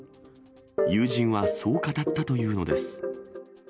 友人はそう語ったというのです。